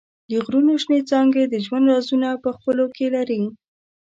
د غرونو شنېڅانګې د ژوند رازونه په خپلو کې لري.